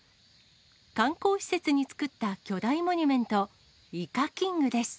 観光施設に作った巨大モニュメント、イカキングです。